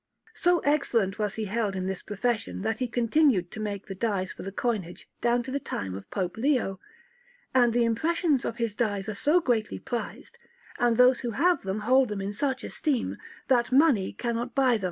So excellent was he held in this profession, that he continued to make the dies for the coinage down to the time of Pope Leo; and the impressions of his dies are so greatly prized, and those who have some hold them in such esteem, that money cannot buy them.